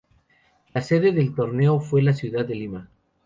La sede del torneo fue la ciudad de Lima.